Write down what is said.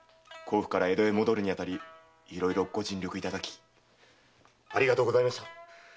甲府から江戸へ戻るにあたりいろいろご尽力いただきありがとうございました。